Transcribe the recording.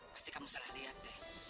pasti kamu salah lihat deh